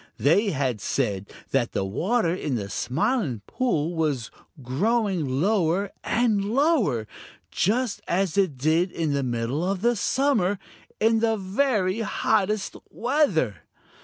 They had said that the water in the Smiling Pool was growing lower and lower, just as it did in the middle of summer, in the very hottest weather.